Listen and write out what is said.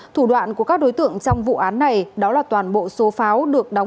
thủ đoạn của các đối tượng trong vụ án này đó là toàn bộ số pháo được đóng